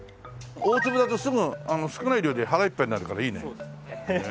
大粒だとすぐ少ない量で腹いっぱいになるからいいね。